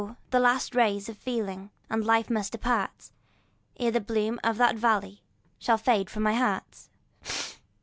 the last rays of feeling and life must depart, Ere the bloom of that valley shall fade from my heart.